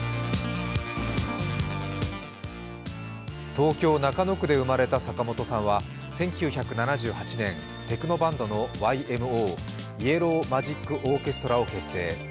東京・中野区で生まれた坂本さんは１９７８年、テクノバンドのＹＭＯ＝イエロー・マジック・オーケストラを結成。